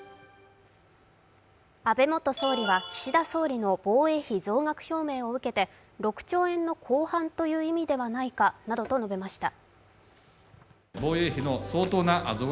安倍元総理は、岸田総理の防衛費増額表明を受けて、６兆円の後半という意味ではないかなどと述べました。